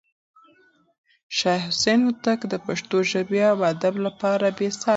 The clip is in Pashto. شاه حسين هوتک د پښتو ژبې او ادب لپاره بې ساری هڅې کړې.